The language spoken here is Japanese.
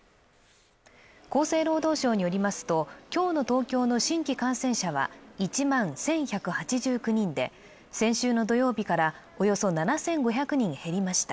厚生労働省によりますと今日の東京の新規感染者は１万１１８９人で先週の土曜日からおよそ７５００人減りました。